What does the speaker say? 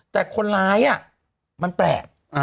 แต่คนร้ายมันแปลก